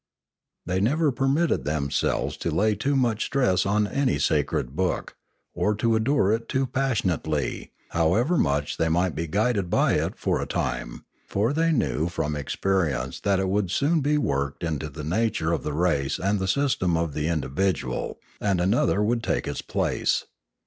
They never permitted themselves to lay too much stress on any sacred book, or to adore it too passion ately, however much they might be guided by it for a time; for they knew from experience that it would soon be worked into the nature of the race and the system of the individual, and another would take its place.